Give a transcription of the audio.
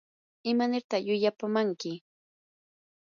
¿imanirta llullapamanki?